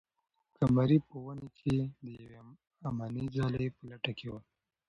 قمري په ونې کې د یوې امنې ځالۍ په لټه کې وه.